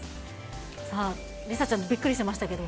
さあ、梨紗ちゃん、びっくりしてましたけど。